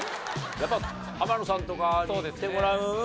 やっぱ浜野さんとかにいってもらう？